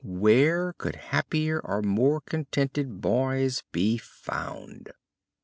Where could happier or more contented boys be found?